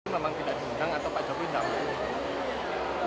memang tidak diundang atau pak jokowi tidak mau